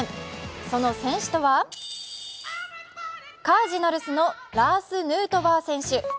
その選手とはカージナルスのラース・ヌートバー選手。